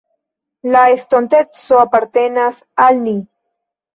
La estonteco apartenas al ni.